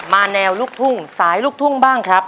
แนวลูกทุ่งสายลูกทุ่งบ้างครับ